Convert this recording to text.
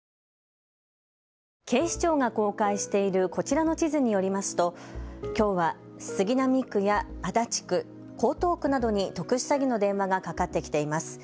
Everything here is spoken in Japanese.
警視庁が公開しているこちらの地図によりますときょうは杉並区や足立区、江東区などに特殊詐欺の電話がかかってきています。